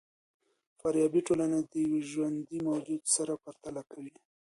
فارابي ټولنه د یوه ژوندي موجود سره پرتله کوي.